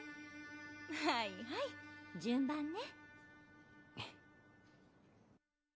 はいはい順番ね。